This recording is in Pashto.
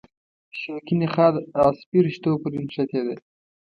شوکي نخاع عصبي رشتو پورې نښتې ده.